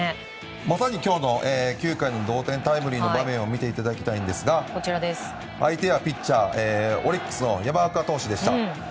まさに今日の９回の同点タイムリーの場面ですが相手がピッチャーオリックスの山岡投手でした。